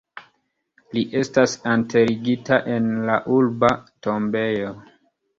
Li estas enterigita en la urba tombejo.